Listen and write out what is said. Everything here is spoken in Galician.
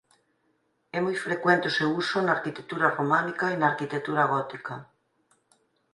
É moi frecuente o seu uso na arquitectura románica e na arquitectura gótica.